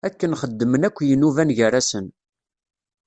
Akken xeddmen akk yinuban gar-asen.